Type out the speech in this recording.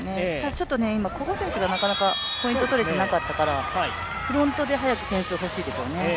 ちょっと今、古賀選手がなかなかポイント取れてなかったから、フロントで早く点が欲しいですよね。